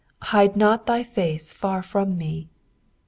Hide not thy fac» far from me."